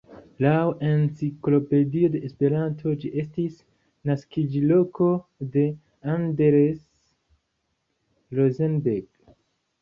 Laŭ Enciklopedio de Esperanto, ĝi estis naskiĝloko de Anders Rosenberg.